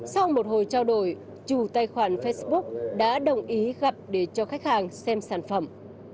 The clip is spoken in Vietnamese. sau một hồi trao đổi chủ tài khoản facebook đã đồng ý gặp để cho khách hàng xem sản phẩm